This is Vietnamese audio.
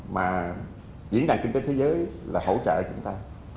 mà diễn đàn kinh tế thế giới là hỗ trợ chúng ta